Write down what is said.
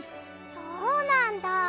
そうなんだ。